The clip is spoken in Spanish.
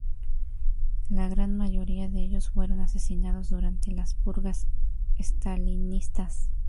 La gran mayoría de ellos fueron asesinados durante las purgas estalinistas.